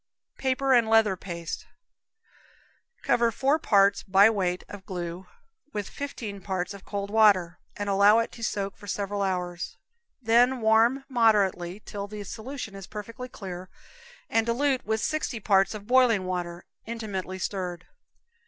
Paper and Leather Paste. Cover four parts, by weight, of glue, with fifteen parts of cold water, and allow it to soak for several hours, then warm moderately till the solution is perfectly clear, and dilute with sixty parts of boiling water, intimately stirred in.